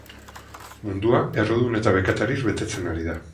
Mundua errudun eta bekatariz betetzen ari dira.